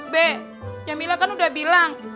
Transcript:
bek jamila kan udah bilang